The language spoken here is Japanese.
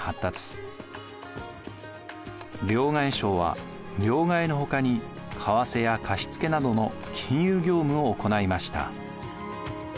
両替商は両替の他に為替や貸し付けなどの金融業務を行いました。